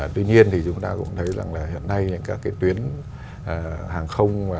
tuy nhiên thì chúng ta cũng thấy rằng là hiện nay những các cái tuyến hàng không